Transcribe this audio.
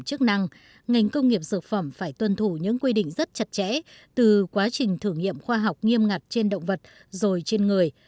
trong cách đánh giá dược phẩm chức năng ngành công nghiệp dược phẩm phải tuân thủ những quy định rất chặt chẽ từ quá trình thử nghiệm khoa học nghiêm ngặt trên động vật rồi trên người